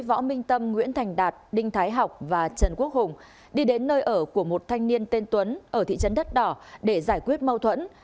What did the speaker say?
võ minh tâm nguyễn thành đạt đinh thái học và trần quốc hùng đi đến nơi ở của một thanh niên tên tuấn ở thị trấn đất đỏ để giải quyết mâu thuẫn